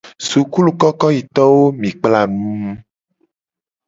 Sukulukokoyitowo mi kpla nu.